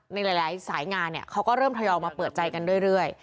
ในหลายสายงานเขาก็เริ่มทยอยมาเปิดใจกันเรื่อย